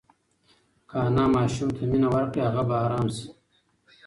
که انا ماشوم ته مینه ورکړي هغه به ارام شي.